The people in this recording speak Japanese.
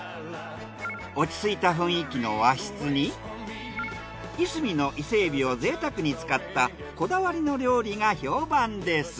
落ち着いた雰囲気の和室にいすみの伊勢海老を贅沢に使ったこだわりの料理が評判です。